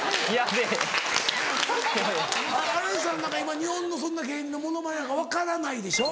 今日本の芸人のものまねなんか分からないでしょ。